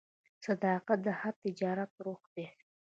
صداقت د هر تجارت روح دی.